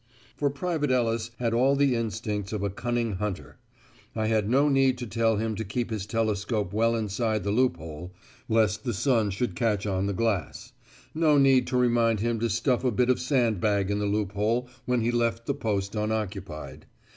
For Private Ellis had all the instincts of a cunning hunter. I had no need to tell him to keep his telescope well inside the loophole, lest the sun should catch on the glass; no need to remind him to stuff a bit of sand bag in the loophole when he left the post unoccupied.